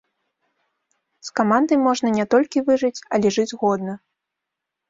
З камандай можна не толькі выжыць, але жыць годна.